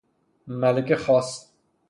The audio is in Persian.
ملک خاص